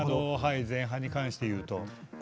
前半に関していうと。